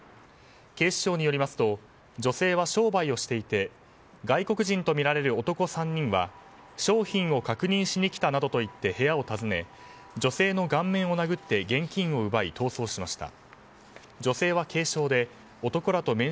警視庁によりますと女性は商売をしていて外国人とみられる男３人は商品を確認しにきたなどと言って部屋を訪ね女性の顔面を殴って現金を奪い逃走しました。